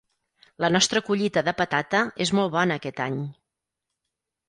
La nostra collita de patata és molt bona aquest any.